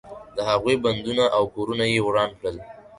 د هغوی بندونه او کورونه یې وران کړل.